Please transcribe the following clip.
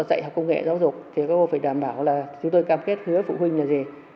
dạy học công nghệ giáo dục thì các cô phải đảm bảo là chúng tôi cam kết hứa phụ huynh là gì